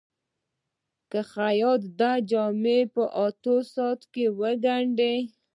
که خیاط دا جامې په اتو ساعتونو کې وګنډي.